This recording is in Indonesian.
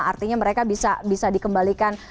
artinya mereka bisa dikembalikan